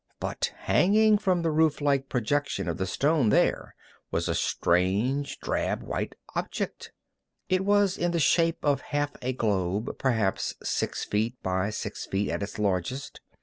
But hanging from the rooflike projection of the stone there was a strange, drab white object. It was in the shape of half a globe, perhaps six feet by six feet at its largest.